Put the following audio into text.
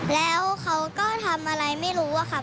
แล้วเขาก็ทำอะไรไม่รู้อะค่ะ